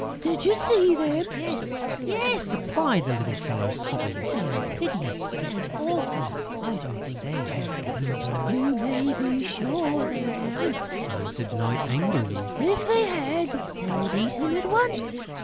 Did you see them?" "Yes, yes!" replied the little fellow, sobbing. "They are hideous and awful.... I don't think they have the Blue Bird...." "You may be sure they haven't," answered Night, angrily. "If they had, they would eat him at once....